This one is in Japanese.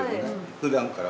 ふだんから。